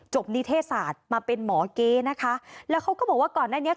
นิเทศศาสตร์มาเป็นหมอเก๊นะคะแล้วเขาก็บอกว่าก่อนหน้านี้